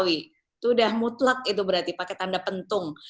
itu sudah mutlak berarti pakai tanda pentung